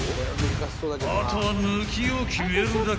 ［後は抜きを決めるだけ］